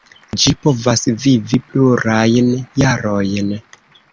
Ĝi povas vivi plurajn jarojn.